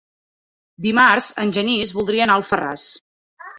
Dimarts en Genís voldria anar a Alfarràs.